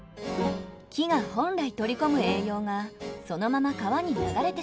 木が本来取り込む栄養がそのまま川に流れてしまいます。